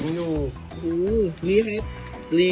ไม่ใช่